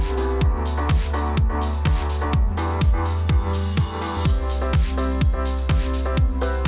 เมื่อเชิญนี้มันจะกำลังเล่นการง่าย